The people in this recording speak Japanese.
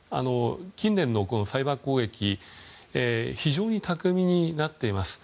近年のサイバー攻撃は非常に巧みになっています。